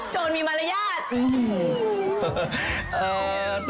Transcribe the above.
โจรมีมารยาท